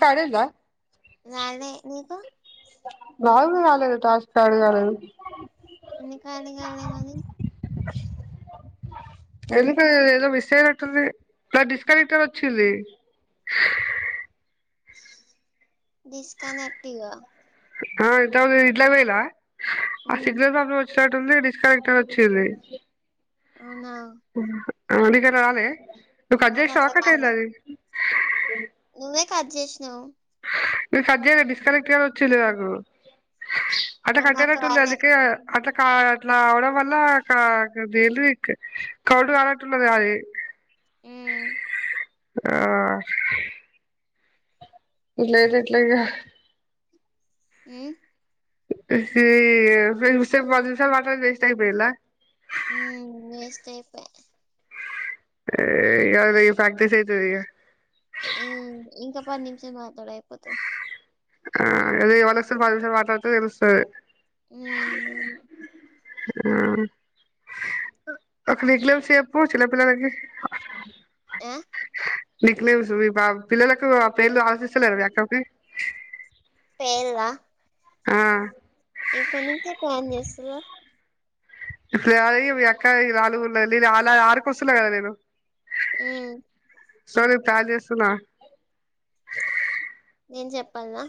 కాదర్వా రాలే నీకు రాలేదు టాస్క్ పాడురాలేదు ఎన్ని కాల్ కాలే నాది ఎందుక ఏదో మిస్ అయ్నటుంది డిస్కనెక్టర్ వచ్చింది డిస్కనెక్టివ ఆ ఇట్లపోయిరి ఇట్లాపోయిర్ర ఆ ఉమ్ signal problem was suddenly disconnect అని వచ్చింది అవునా మ్మ్ ఆ నీక్ రాలే నువ్ కట్ నాకు జేసినవా అట్లా కట్ అయిందా రాలే అది నువ్వే కట్ చేసినవ్ నేన్ కట్ చేయాలె డిస్కనెక్ట్ అని వచ్చింది నాకు అట్ల మరి నాకు కట్టైనటుంది రాలే అందుకే అట్ల కాల్ అట్లా అవడం వల్ల డెలీ కౌంట్ కానట్టునది అది ఉమ్ ఆ ఇట్లైతే ఎట్లీగా మ్ సి ఇంతసేపు పది నిమిషాలు మాట్లాడింది వేస్ట్ అయిపోయిందా ఉ వేస్ట్ఐపాయ్ అ అది ప్రాక్టీీస్ అయితది ఇగ ఉం ఇంకా పది నిమిషాలు మాట్లాడు అయిపోతది ఆ అదే ఇవాళ సుత పది నిమిషాలు మాట్లాడితే తెలుస్తది ఉమ్ ఆ ఒక నిక్నేమ్స్ చెప్పు చిన్న పిల్లలకి అ నిక్నేమ్స్ మీ బా పిల్లలకు ఆ పేర్లు ఆలోచిస్తలేరా మీ అక్కకి పేల్లా ఆ ఇప్పటి నుంచే ప్లాన్ చేస్తుర [unintelligible] హ్మ్ సరే కాల్ చేస్తున్న నేను చెప్పాల్నా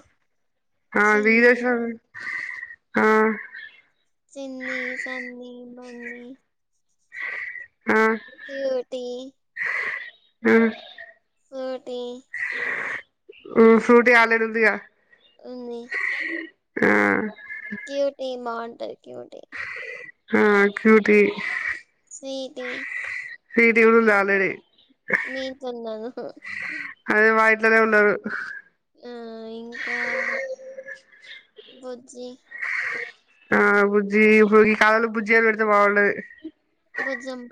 చిన్ని విడియో శాల్ ఆ చిన్ని సన్న బన్నీ ఆ ఇదోటి ఆ ఫ్రూటీ ఫ్రూటీ ఆల్రెడీ ఉందిగా ఉంది ఆ క్యూటీ మార్ట్ ఉంటది క్యూటీ ఆ క్యూటి స్వీటీ స్వీటీ కూడ ఉన్నది ఆల్రెడీ మీ ఇంట్లున్నారు ఇంట్లనే ఉన్నారు ఆ ఇం కా బుజ్జి ఆ బుజ్జి ఇ కాలంలో బుజ్జి అని పెడితే బాగుండది. బుజ్జమ్మ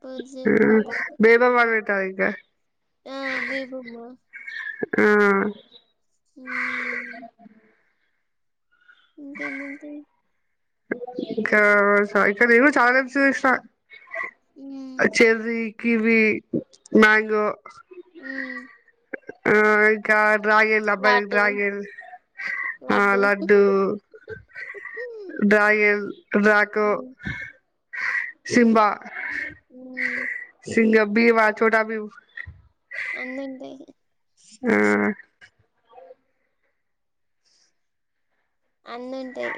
బుజ్జి ఆ బాబు బేబమ్ [unintelligible] ఆ బేబమ్మ హ్ హ్ [inaudible] ఇంకేముంది ఇకా ఇక నేను చాలా నే చూసిన హ్మ్ అచ్చేసి కివి మ్యాంగో ఉమ్ హా ఇ కార్ డ్రాగేన్ అబ్బాయి లడ్డు డ్రాగేన్ ఆ లడ్డు హ్మ్ డ్రాగన్ నాకు సింబా ఉమ్ భీం ఆ చోటా భీం అన్నుంటాయి. హా అన్నింటాయి.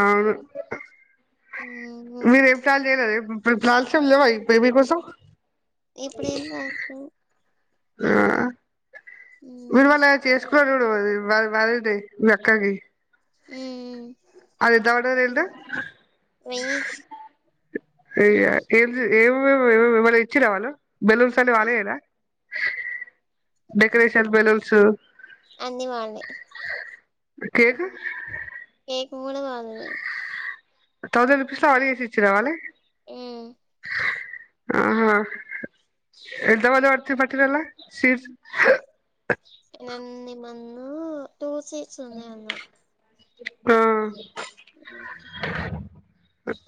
ఆవును. హ్మ్ మీరెం ప్లాన్ చేయలేద ప్లాన్స్ ఏం లేవ ఇప్ పేమీ కోసం ఇప్పుడు ఏం కాదు ఆ మీ అలా చేసుకో [unintelligible] మీ అక్కకి ఉమ్ అది ఎంత పడ్డది [unintelligible] వెయ్యి అయ్యా ఏం ఏం ఏం ఏమన్న ఇచ్చిరా వాళ్ళు బెలూన్స్ అన్ని వాళ్ళ యేన డెకరేషన్ బెలూన్స్ అన్ని వాళ్ళయి కేకు కెకు కూడా వాళ్లదే థౌజెడ్ రూపీస్ వాలే చేసిచిడ్రా అవ్వన్నీ ఉమ్ ఆహా ఎంత [unintelligible] పట్టిళ్లు సీట్స్ ఉంది మందో టూ సీట్స్ ఉన్నాయి అన్నా ఆ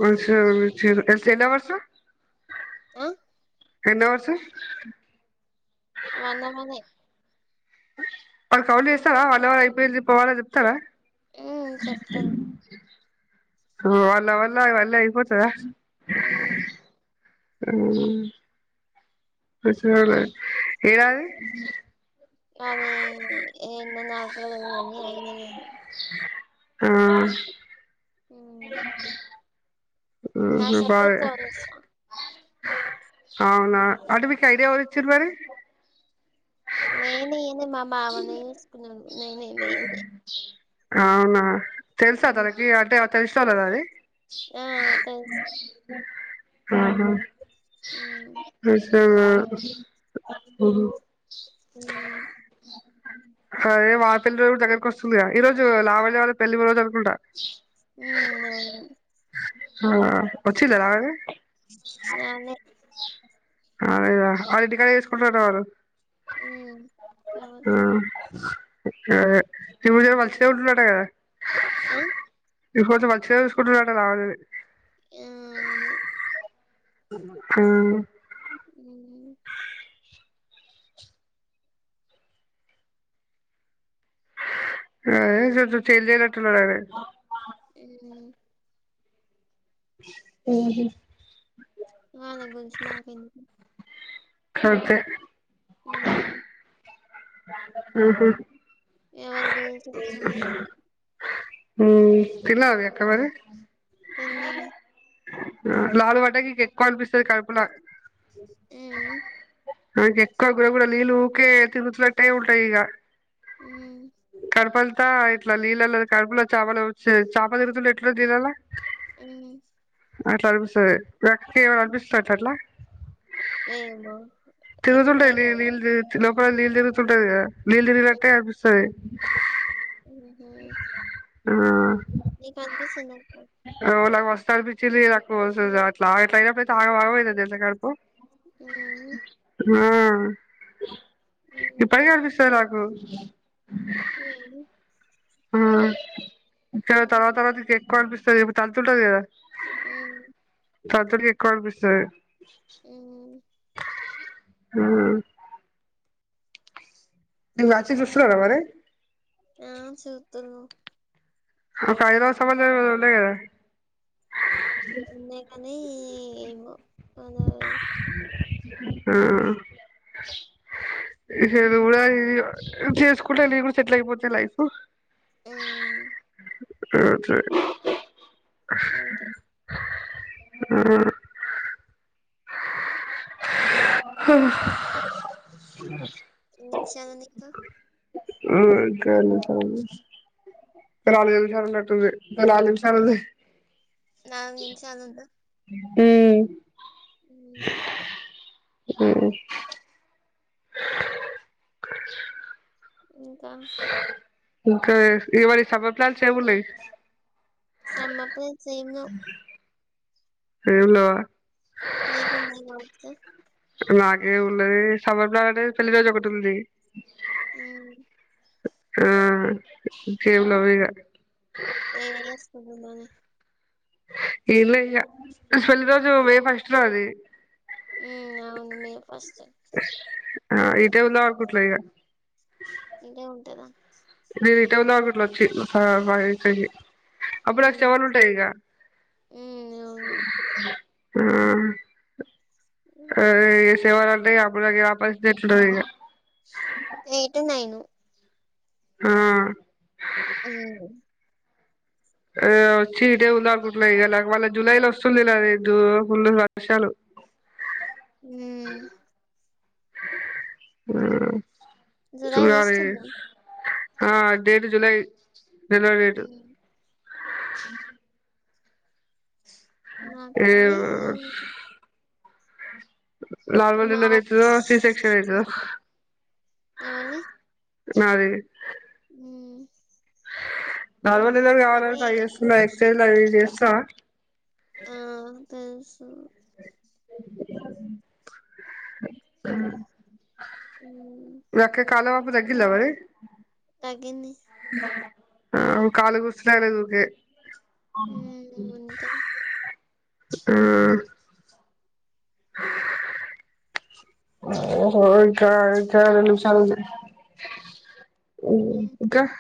ఎ చీర ఎన్నో వరుస ఆ ఎన్నో వరుస వన్నమనే వాళ్లు కాల్ చేస్తారా. హలో అయిపోయింది. పోవాలా అని చెప్తారా. ఉమ్ చెప్తారు. వాల్ల వల్ల ఇవన్నీ అయిపోతయి. ఏ టూర్ వచ్చారా ఎడది అన్ని ఎన్ని నా కద న అని అయిననదు ఉమ్ ఊ రోజు బాయ్ అవునా అడవికి ఐడియా ఎవరిచ్చిరు మరి నేనే మా మామనే చేసుకున్నా నేనే నేనే అవునా తెలుసా తనకి అంటే ఆ తైష్ చాలదా అంది ఆ తెలుస్ ఆహా చ్ అన ఉ ఉ అదే వాళ్ళ పెళ్లి రోజు కూడ దగ్గరకి వస్తుందిగా. ఈ రోజు లావణ్య వాళ్ల పెళ్ళి రోజు అనుకుంటా. ఉ అవును ఆ వచ్చింద రాత్రి ననేే అదేదా అరెటికాయ్ ఎసుకుంటర వారు ము కావలసి ఆ శివుడే వాళ్ళ శివుడు ఉండడు కదా ఆ నీకోసం మంచిగా చసుకుంట రాట వాళ్లు యామే ఉ హూ ఉ అ కొంచెం చేంజ్ అయినట్టున్నాడు కదా ఏ ఏది వాళ్ళ గురించి మాకెందుకు అయితే ఉ ఉహో ఎవరి గురించి అవసరం లేదు ఉమ్ తిన్నావా మీ అక్కమరి తిన్నది లాల పడ్డంక ఎక్కువ అనిపిస్తుది కడుపులా హ్మ్ ఇంకా ఎక్కువ గుడా గుడా నీళ్ళ ఊకే తిరుగుతు టే ఉటైగా ఉం కడుపు అంత ఇట్లా నీళ్ళలో కడపుల చపలు వచ్చి చేప తిగుతుండ ఎట్లా నీళ్లల్ల ఎన్నిని అట్లా అనిపిస్తుంది గట్టిగా అనిపిస్తది అట్లా రెయిన్బో ఇప్పుడే కదా నీళ్లు ఉంటదిగా నీళ్లు తిరిగినట్టే అనిపిస్తది [unintelligible] ఓ ఆ నీకు అనిపించిందా ఓ నాకు మస్తు అనిపించింది నాకు అట్లా అట్ల అయినప్పుడు ఆగమాగం అయింనా నాకు ఉమ్ ఆ ఇప్పటికిఅనిపిస్తది నాకు [unintelligible] ఒకే ఆ తర్వాత తర్వాతకి ఇంకా ఎక్కువ సరే ఇప్పుడు తంతుఉంటది కదా ఉమ్ తంతుంటే ఎక్కువ అనిపిస్తది [unintelligible] హ్మ్ అ నీకు మ్యాచెస్ చూస్తున్నారా మరి ఆ చూస్తున్నాం ఒక హైదరాబాద్ సంబంధం ఏదో ఉండేగదా ఉనిల్ నీ మ్ హలో ఉమ్ చేసుకుంటే నీకు కూడా సీట్లే అయిపోతది లైఫ్ హ్మ్ రోడ్ సైడ్ అంతే ఆ హ నిమిషానికా ఓ గంటా అయ్యి నలుగు నిమిషాలు ఉనాటు ఉనయ్ ఇంకా నిమిషాలు ఉనయ్ నాలుగు నిమిషాలు ఉందా ఉమ్ హ్మ్ [inaudible] ఉమ్ ఇంకా ఇంకా ఇవ్వాల సమ్మర్ ప్లాన్స్ ఏం ఉన్నాయి సమ్మప్పు సేమ్ ఎమ్కావు ఏమి లేవా నీకున్నాయి కావచ్చు నకేమ్ ఉనాధి సమర్ ప్లాన్ ఆంటే పెల్లి రోజు ఒకాటి ఉంధి చకతుంది ఎమి ఆ జవలవగా వెడ్డీ చెస్కుంటునానె ఎమ్ లే ఇగా పెళ్లి రోజు మే ఫస్ట్ లో అది ఉ అవును మే ఫస్ట్ ఆ ఈతే వెళ ఆర్కూట్లో ఇగా ఇంకే ఉంటార మీ ఇట ఉందకుట్లో వచ్చికి [unintelligible] అప్పుడు అ హ్మ్ చవాలు ఉంటాయి ఇక హ్మ్ అవును ఉమ్ ఆ తేవాలంటే అప్పుడు నా పరిస్థితి ఎట్లా ఉంటాది ఇక ఎయిట్ నైను ఉమ్ ఓ ఉ వచ్చి ఇదే ఉంద అకుట్లా ఇ వాళ్ళ జులైలో వస్తుంది లేద ఉులు వర్షాలు ఉమ్ ఆ జులై చూడాలి వస్తుందా ఆ డేటు జులై జులై డేటు హ్మ్ [unintelligible] ఏ మాకది మో నార్మల్ డెలివరీ అయితదో మార్చ్ సి సెక్షన్ అయితదో ఎవల్ది నాది ఊ నార్మల్ డెలివరీ కావాలని ట్రై చేస్తున్న ఎక్సైజ్ ల అవి చేస్తా ఆహా హ్మ్ [unintelligible] లకే కాలో ఇపుడు తగ్గిల మరి తగ్గింది ఆ కాలు గుస్తతది ఊకె అ [unintelligible] హ్మ్ ఉంటాయి ఆ ఓహో ఇంకా చాలా నిమిషాలు ఉంది హ్మ్ ఇంకా [unintelligible]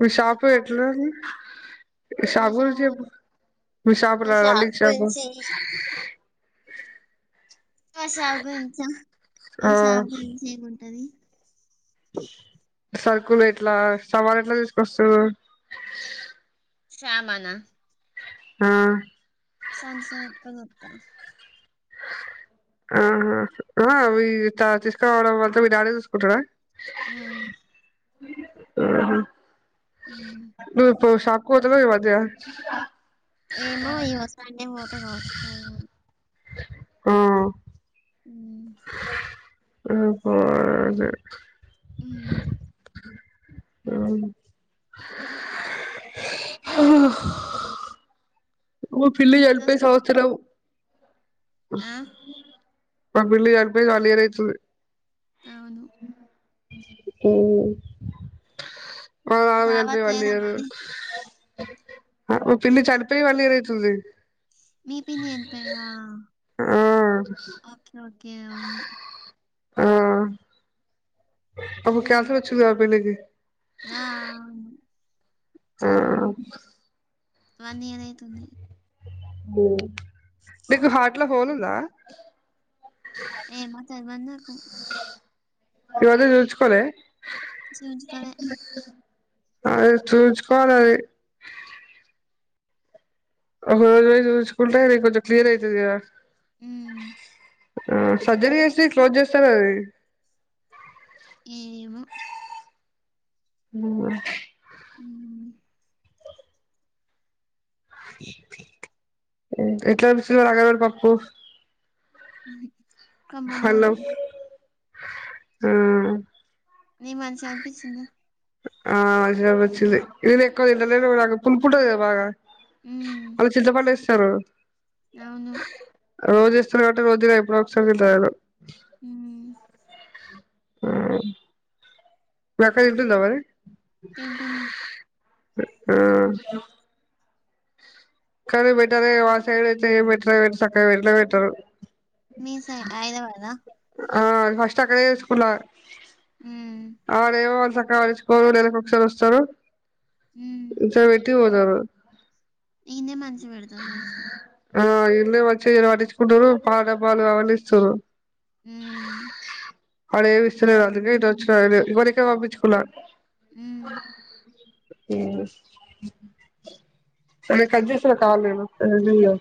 మీ షాపు చెప్పాలి ఎట్లుంది మీ మా షాపు గురించి షాప్ చెప్పు మీ షాపు మా రా షాప్ రాల్డింగ్ షాపు గురించి మా షాప్ గురించ మా ఆ షాపు గురించి ఏముంటది సరుకులు ఎట్లా సమాన్ ఎట్లా తీసుకొస్తారు శ్యామానా ఆ సన్చుతో వట్కనత్తరు ఆహా ఆ హ మీ త తీసుకురావడం అంత వల్ల మీ డాడీ చూసుకుంటడా ఉమ్ ఆహా ఉమ్. నువ్ ఇపు షాప్ పోతాలెవా ఈ మధ్య ఏమో ఈయ్యోసాన్న ఒతగావచ్చు ఏమో ఆ మ్మ్ పోజే మ్మ్ మ్మ్ హ ను పిల్లి చనిపోయి తీసుకొస్తాను సంవత్సరం ఆ మా పిల్లి చనిపోయి వన్ ఇయర్ అయితుంది అవును మ్మ్ మా ఆమె చనిపోయి దావత్ వన్ లేదా ఇయరు మరి ఆపు పిల్లి చనిపోయి వన్ ఇయర్ అయితుంది మీ పిల్లి ఎంకయ్య ఆ ఓకే ఓకే అవును ఆ అప్పుడు ఉమ్. క్యాన్సర్ వచ్చింది పిన్ని కి ఆ అవును ఆ వన్ ఇయర్ అయితుంది మ్మ్ నీకు హాట్లో హోల్ ఉందా ఏమో తెల్వదు నాకు ఈ రోజు చూపిచ్చుకోలే చూయించుకోలే అదే చూయించుకోవాలె అది ఒకరోజు పోయి చూయించుకుంటే అది కొంచం క్లియర్ అయితది గా హ్మ్ ఆ సర్జరీ చేసి క్లోజ్ చేస్తారు అది ఏమో మ్ ఆ ఉమ్ ఎట్లా అర్సున్నారు నా గదరా పప్పు కమ్మనే ఉంది ఆ నీ మంచిగా అనిపించిందా ఆ మంచిగా అనిపించింది ఇదాల ఎక్కువ తింటలేడు పులుపు ఉంటది గా బాగా. ఉమ్ అలా చింత పండు ఏశ్ సరూ అవును రోజు చేస్తున్నారు కాబట్టి రోజ్ తిన ఎప్పుడో ఒకసారి తింట నేను. హ్మ్ హ్ మీ అక్క తింటుందా మరి ఏంట్టుంది ఆ స్లో కానీ బెటర్ మా సైడ్ అయితే ఏం పెట్టరు చక్కగా ఎండలో పెట్టరు మీ సైడ్ హైదరాబాద్ ద ఆ ఫస్ట్ అక్కడే ఏసుకున్న హ్మ్. అ ఏవో సక కావలుచుకోవరు నెలకి ఒకసారి వస్తారు హ్మ్. చబెటి పోతా తరు ఈన్నే మంచి పెడతాం దంచి ఆ ఇల్ మచ్చగాలు పటించుకుంటారు పా డబ్బాలు అవని ఇస్తుర్రు ఉ అడేవిస్తలే అందుకే ఇటు వచ్చిన ఇవరిక పంపించుకున్నా ఉ ఆ కట్ చేస్తున్న కాలు నేను